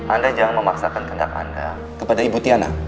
anda jangan memaksakan kehendak anda kepada ibu tiana